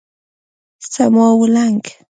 څماولنګ